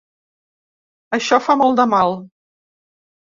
Això fa molt de mal.